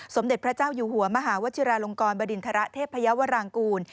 สมเด็จพระเจ้าอยู่หัวมหาวชิราลงกรบดินทรเทพยาวรางกูล